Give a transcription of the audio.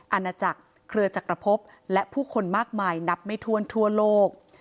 อาณาจักรเครือจักรพบและผู้คนมากมายนับไม่ถ้วนทั่วโลก